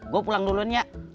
gue pulang dulunya jak